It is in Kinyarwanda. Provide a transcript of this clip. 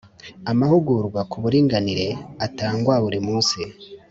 Amahugurwa ku buringanire atangwa burimunsi.